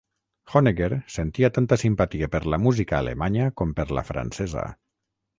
Honegger sentia tanta simpatia per la música alemanya com per la francesa.